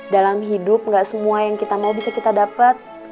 dalam hidup gak semua yang kita mau bisa kita dapat